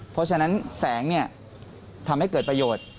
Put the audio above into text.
เพราะฉะนั้นแสงทำให้เกิดประโยชน์